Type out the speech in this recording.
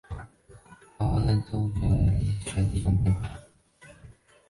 大花甘肃紫堇为罂粟科紫堇属下的一个变种。